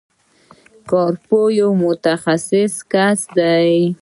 کارپوه یو متخصص کس دی.